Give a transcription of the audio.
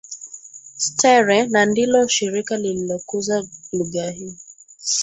Streere na ndilo Shirika lililokuza lugha hii